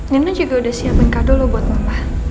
rina juga udah siapin kado lo buat mama